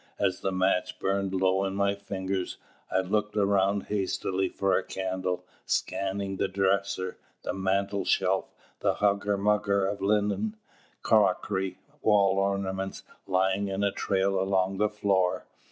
As the match burned low in my fingers I looked around hastily for a candle, scanning the dresser, the mantel shelf, the hugger mugger of linen, crockery, wall ornaments, lying in a trail along the floor.